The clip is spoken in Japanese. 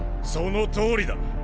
そのとおりだ！！